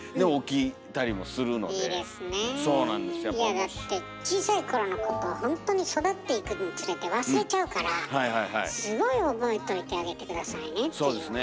いやだって小さい頃のことほんとに育っていくにつれて忘れちゃうからすごい覚えといてあげて下さいねっていうわね。